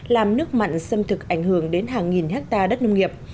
làm nước mặn xâm thực ảnh hưởng đến hàng nghìn hectare đất nông nghiệp